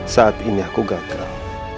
saat ini aku gagal